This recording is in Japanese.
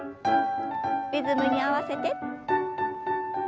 リズムに合わせて。